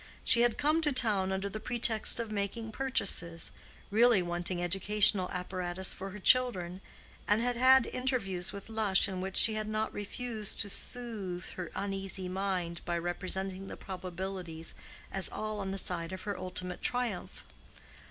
She had come to town under the pretext of making purchases—really wanting educational apparatus for her children, and had had interviews with Lush in which she had not refused to soothe her uneasy mind by representing the probabilities as all on the side of her ultimate triumph.